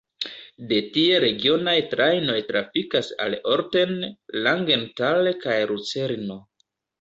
De tie regionaj trajnoj trafikas al Olten, Langenthal kaj Lucerno.